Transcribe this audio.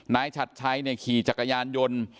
น้ายชัดใช้เนี่ยขี่จักรยานยนต์